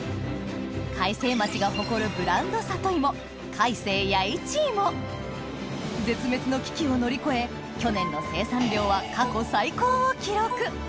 開成町が誇るブランド里芋絶滅の危機を乗り越え去年の生産量は過去最高を記録！